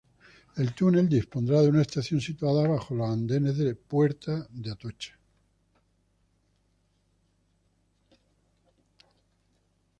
El túnel dispondrá de una estación situada bajo los andenes de Puerta de Atocha.